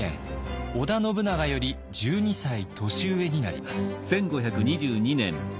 織田信長より１２歳年上になります。